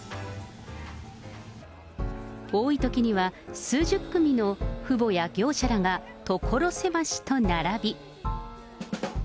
多いときには数十組の父母や業者らが、所狭しと並び。